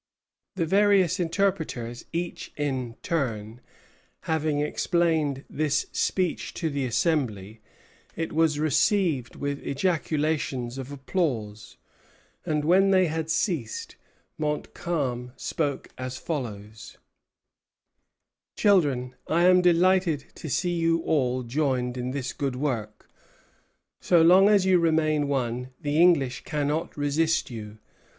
The various interpreters, each in turn, having explained this speech to the Assembly, it was received with ejaculations of applause; and when they had ceased, Montcalm spoke as follows: "Children, I am delighted to see you all joined in this good work. So long as you remain one, the English cannot resist you.